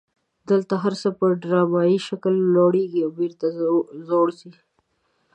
دلته هر څه په ډرامایي شکل لوړیږي او بیرته ځوړ خي.